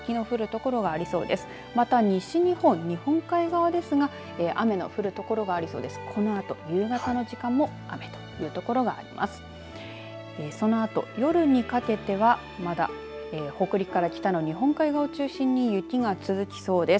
このあと夕方の時間も雨という所があります。